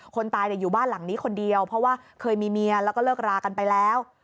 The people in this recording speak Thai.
คนตายอยู่บ้านหลังนี้คนเดียวเพราะว่าเคยมีเมียแล้วก็เลิกรากันไปแล้ว